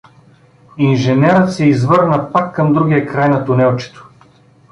Инженерът се извърна пак към другия край на тунелчето.